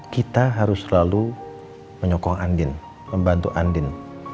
kita harus selalu menyokong anin membantu anin